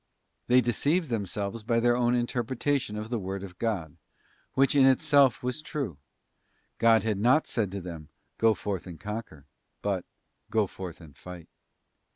They deceived themselves by their own interpretation of the word of God, which in itself was true. God had not said to them, go forth and conquer, but go forth and fight.